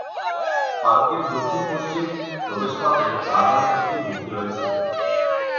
পার্কের দক্ষিণ-পশ্চিম প্রবেশপথে রাজার একটি মূর্তি রয়েছে।